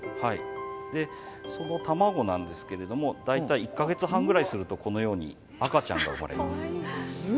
その卵なんですけれども大体１か月半ぐらいするとこのように赤ちゃんが産まれます。